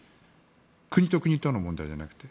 国と国との問題じゃなくて。